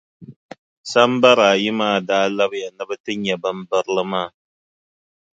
Sambara ayi maa daa labiya ni bɛ ti nya bimbirili maa.